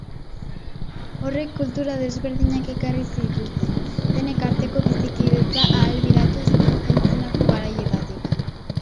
Horrek kultura desberdinak erakarri zituen, denen arteko bizikidetza ahalbidetuz antzinako garaietatik.